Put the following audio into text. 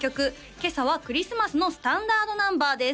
今朝はクリスマスのスタンダードナンバーです